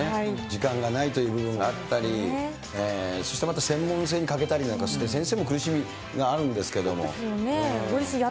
時間がないという部分があったり、そしてまた専門性に欠けたりなんかして、先生も苦しみがあるんでそうですよね。